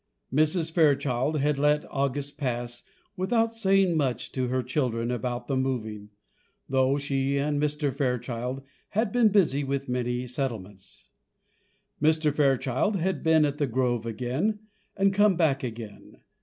Mrs. Fairchild had let August pass without saying much to her children about the moving, though she and Mr. Fairchild had been busy with many settlements. Mr. Fairchild had been at The Grove again, and come back again.